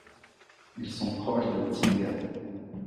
Ils sont proches des Tsinga.